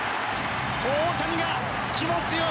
大谷が気持ちを！